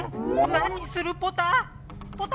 何するポタ⁉ポタ！